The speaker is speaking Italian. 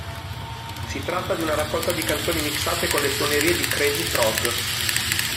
Si tratta di una raccolta di canzoni mixate con le suonerie di Crazy Frog.